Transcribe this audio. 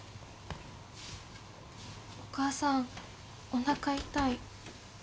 お母さん、おなか痛い。